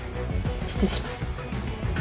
失礼します。